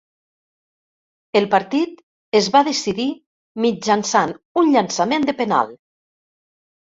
El partit es va decidir mitjançant un llançament de penal.